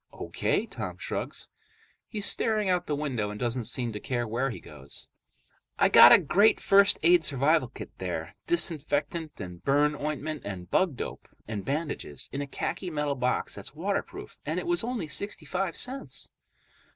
"O.K." Tom shrugs. He's staring out the window and doesn't seem to care where he goes. "I got a great first aid survival kit there. Disinfectant and burn ointment and bug dope and bandages, in a khaki metal box that's waterproof, and it was only sixty five cents."